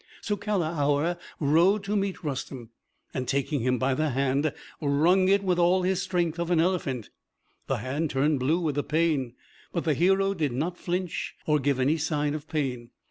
So Kalahour rode to meet Rustem, and, taking him by the hand, wrung it with all the strength of an elephant. The hand turned blue with the pain, but the hero did not flinch or give any sign of pain.